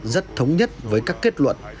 rất thống nhất với các kết luận